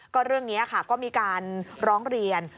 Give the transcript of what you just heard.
ก็เรื่องนี้ค่ะก็มีการร้องเรียน